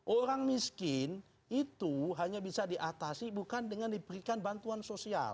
orang miskin itu hanya bisa diatasi bukan dengan diberikan bantuan sosial